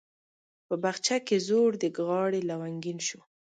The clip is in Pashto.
په بخچه کې زوړ د غاړي لونګین شو